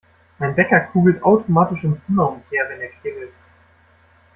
Mein Wecker kugelt automatisch im Zimmer umher, wenn er klingelt.